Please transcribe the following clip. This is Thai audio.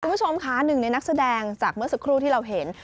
คุณผู้ชมค่ะหนึ่งในนักแสดงจากเมื่อสักครู่ที่เราเห็น